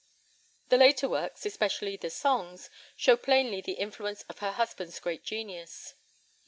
The later works, especially the songs, show plainly the influence of her husband's great genius.